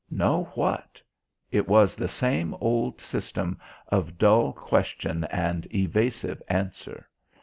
"Know what?" It was the same old system of dull question and evasive answer.